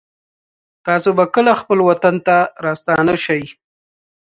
تاسو به کله خپل وطن ته راستانه شئ